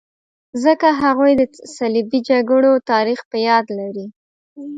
ځکه هغوی د صلیبي جګړو تاریخ په یاد لري.